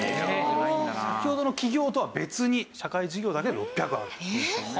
先ほどの起業とは別に社会事業だけで６００ある。